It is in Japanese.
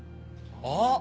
あっ！